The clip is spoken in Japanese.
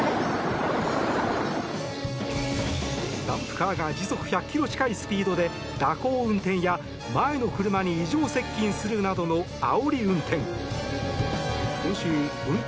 ダンプカーが時速１００ｋｍ近いスピードで蛇行運転や前の車に異常接近するなどのあおり運転。